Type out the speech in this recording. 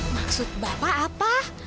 maksud bapak apa